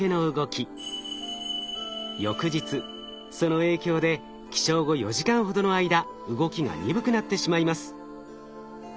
翌日その影響で起床後４時間ほどの間動きが鈍くなってしまいます。